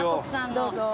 どうぞ。